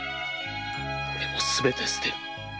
俺もすべて捨てる。